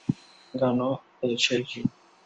Ganó el Sheffield.